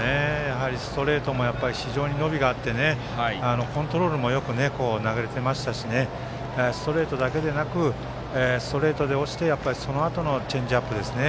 ストレートも非常に伸びがあってコントロールもよく投げれていましたしストレートだけでなくストレートで押してそのあとのチェンジアップですね。